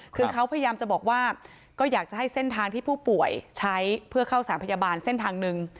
คือเขาพยายามจะบอกว่าก็อยากจะให้เส้นทางที่ผู้ป่วยใช้เพื่อเข้าสารพยาบาลเส้นทางหนึ่ง